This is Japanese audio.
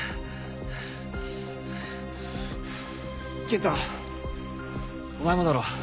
健太お前もだろ。